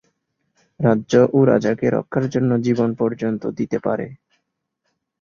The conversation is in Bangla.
রাজ্য ও রাজাকে রক্ষার জন্যে জীবন পর্যন্ত দিতে পারে।